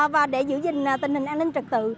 và để giữ gìn tình hình an ninh trật tự